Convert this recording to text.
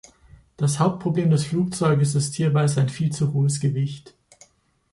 Das Hauptproblem des Flugzeuges ist hierbei sein viel zu hohes Gewicht.